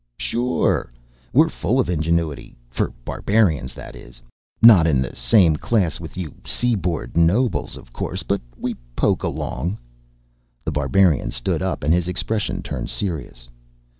"Sure. We're full of ingenuity for barbarians, that is. Not in the same class with you seaboard nobles, of course, but we poke along." The Barbarian stood up, and his expression turned serious.